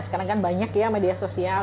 sekarang kan banyak ya media sosial